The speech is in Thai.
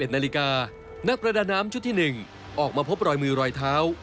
๑นาฬิกานักประดาน้ำชุดที่๑ออกมาพบรอยมือรอยเท้า